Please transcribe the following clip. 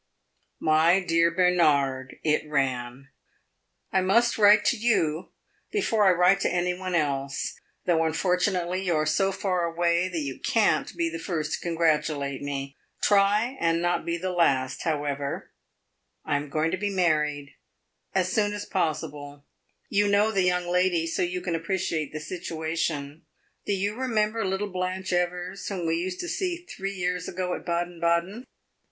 "My dear Bernard (it ran), I must write to you before I write to any one else, though unfortunately you are so far away that you can't be the first to congratulate me. Try and not be the last, however. I am going to be married as soon as possible. You know the young lady, so you can appreciate the situation. Do you remember little Blanche Evers, whom we used to see three years ago at Baden Baden?